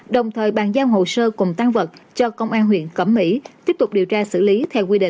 đồng thời bàn giao hồ sơ cùng tăng vật cho công an huyện cẩm mỹ tiếp tục điều tra xử lý theo quy định